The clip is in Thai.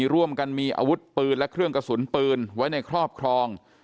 ร่วมกันมีอาวุธปืนและเครื่องกระสุนปืนไว้ในครอบครอง